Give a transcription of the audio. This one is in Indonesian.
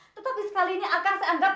tetapi sekali ini akam seandap